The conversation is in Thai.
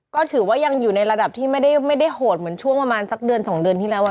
ก็ถือว่ายังอยู่ในระดับที่ไม่ได้โหดเหมือนช่วงประมาณสักเดือน๒เดือนที่แล้ว